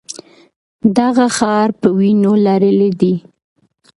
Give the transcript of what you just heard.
دغه ښار په وینو لړلی دی.